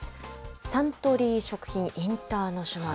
サントリー食品インターナショナル。